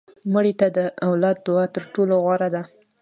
مړه ته د اولاد دعا تر ټولو غوره ده